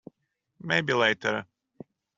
Maybe later.